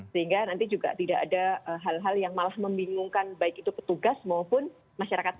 sehingga nanti juga tidak ada hal hal yang malah membingungkan baik itu petugas maupun masyarakat